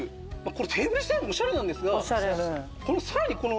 テーブル自体もおしゃれなんですがさらにこの。